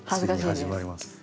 ついに始まります。